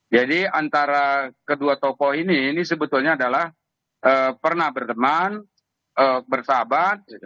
jadi antara kedua topo ini ini sebetulnya adalah pernah berteman bersahabat